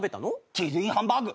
チーズインハンバーグ。